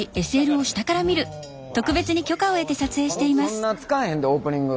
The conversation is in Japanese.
そんな使わへんでオープニング。